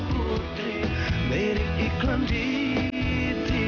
nona mau pergi kemana ya